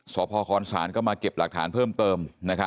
สพคศก็มาเก็บหลักฐานเพิ่มเติม